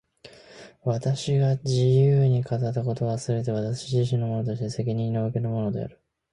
私が自由に語った言葉は、すべて私自身のものとして私の責任におけるものである。